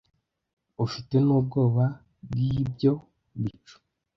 ufite nubwoba bwibyo bicu